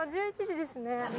「１１時」ですね。